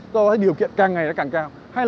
do đó điều kiện càng ngày nó càng cao